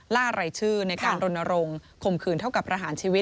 ล่ารายชื่อในการรณรงค์ข่มขืนเท่ากับประหารชีวิต